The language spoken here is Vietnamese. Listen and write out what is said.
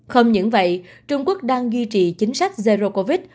không những vậy trung quốc đang duy trì chính sách zero covid